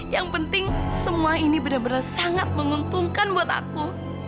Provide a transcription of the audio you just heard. yang penting semua ini benar benar sangat menguntungkan buat aku